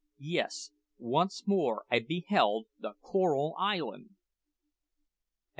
Yes, once more I beheld the Coral Island!